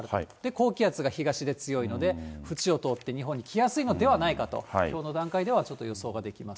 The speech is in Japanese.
高気圧が東で強いので、縁を通って日本に来やすいのではないかと、きょうの段階ではちょっと予想ができます。